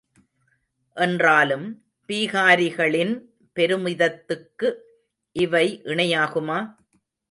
என்றாலும், பீகாரிகளின் பெருமிதத்துக்கு இவை இணையாகுமா?